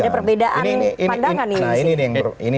ada perbedaan pandangan ini